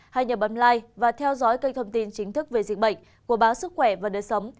hãy nhớ bấm like và theo dõi kênh thông tin chính thức về diễn bệnh của báo sức khỏe và đời sống